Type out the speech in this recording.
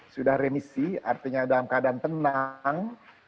sudah remisi artinya dalam keadaan tenang